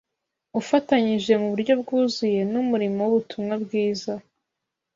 ufatanyije mu buryo bwuzuye n’umurimo w’Ubutumwa bwiza